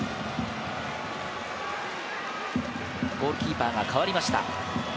ゴールキーパーが代わりました。